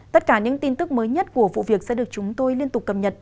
tất cả những tin tức mới nhất của vụ việc sẽ được chúng tôi liên tục cập nhật